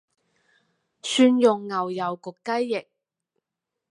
蒜蓉牛油焗雞翼